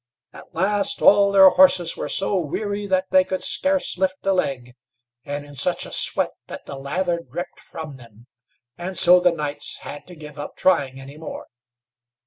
At last all their horses were so weary that they could scarce lift a leg, and in such a sweat that the lather dripped from them, and so the knights had to give up trying any more.